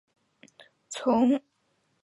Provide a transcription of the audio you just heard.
从嘴到耳有一道白色的线条。